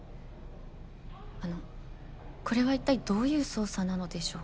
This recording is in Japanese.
あのこれは一体どういう捜査なのでしょうか